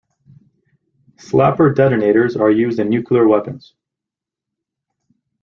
Slapper detonators are used in nuclear weapons.